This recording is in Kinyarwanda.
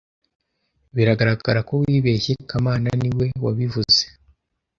Biragaragara ko wibeshye kamana niwe wabivuze